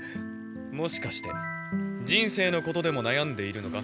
もしかして人生のことでも悩んでいるのか？